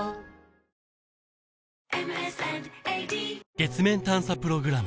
月面探査プログラム